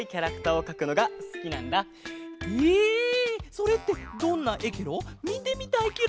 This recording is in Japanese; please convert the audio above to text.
それってどんなえケロ？みてみたいケロ！